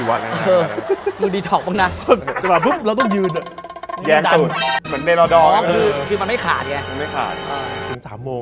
ใส่เปิดหัวแล้วก่อน